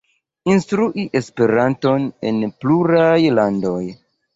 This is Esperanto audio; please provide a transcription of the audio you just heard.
Instruis Esperanton en pluraj landoj.